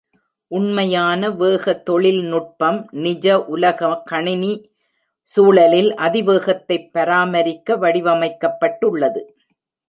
உண்மையான வேக தொழில்நுட்பம் நிஜ உலக கணினி சூழலில் அதிவேகத்தைப் பராமரிக்க வடிவமைக்கப்பட்டுள்ளது.